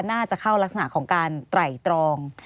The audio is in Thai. น่าจะเข้ารักษณะของการไตรตรอง